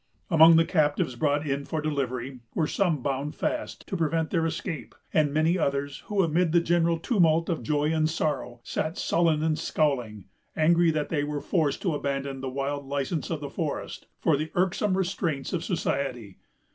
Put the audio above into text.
Among the captives brought in for delivery were some bound fast to prevent their escape; and many others, who, amid the general tumult of joy and sorrow, sat sullen and scowling, angry that they were forced to abandon the wild license of the forest for the irksome restraints of society.